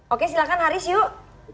oke silahkan haris yuk